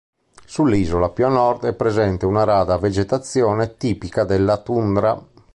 Sull'isola più a nord è presente una rada vegetazione tipica della tundra.